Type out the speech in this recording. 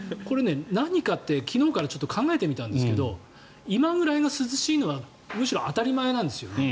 何かって昨日から考えてみたんですが今くらいが涼しいのはむしろ当たり前なんですよね。